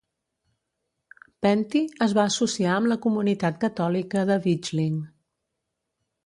Penty es va associar amb la comunitat catòlica de Ditchling.